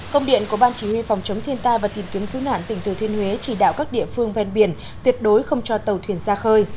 công điện của ban chỉ huy phòng chống thiên tai và tìm kiếm cứu nạn tỉnh thừa thiên huế chỉ đạo các địa phương ven biển tuyệt đối không cho tàu thuyền ra khơi